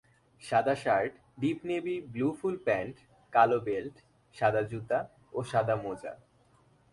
সাদা shirt, deep navy blue full pant, কালো belt, সাদা জুতা ও সাদা মোজা।